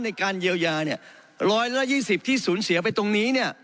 ในการเยียวยาเนี่ยร้อยละยี่สิบที่ศูนย์เสียไปตรงนี้เนี่ย